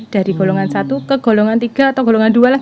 dari golongan satu ke golongan tiga atau golongan dua lah